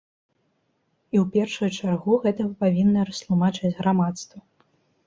І ў першую чаргу гэта вы павінны растлумачыць грамадству.